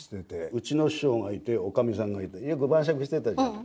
うちの師匠がいておかみさんがいてよく晩酌してたじゃない。